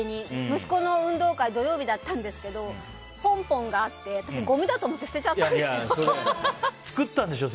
息子の運動会土曜日だったんですけどポンポンがあって私、ゴミだと思って作ったんでしょ？